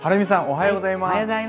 おはようございます。